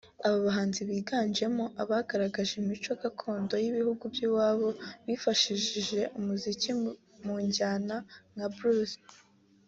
Aba bahanzi biganjemo abagaragaza imico gakondo y’ibihugu by’iwabo bifashishije umuziki mu njyana nka blues